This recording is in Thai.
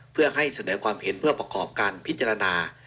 เพื่อให้เสนอความเห็นเพื่อประกอบการพิจารณา